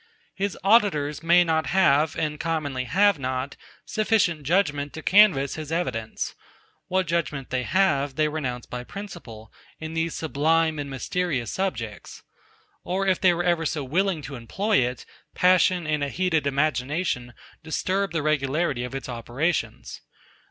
His auditors may not have, and commonly have not, sufficient judgement to canvass his evidence: what judgement they have, they renounce by principle, in these sublime and mysterious subjects: or if they were ever so willing to employ it, passion and a heated imagination disturb the regularity of its operations.